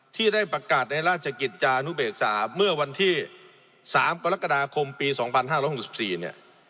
ที่ได้ประกาศในราชกิจจานุเบกษาเมื่อวันที่๓กรกฎาคมปี๒๕๖๔เนี่ย